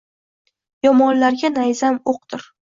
Yomonlarga nayzam o‘qdir